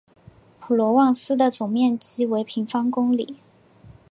普罗旺斯的总面积为平方公里。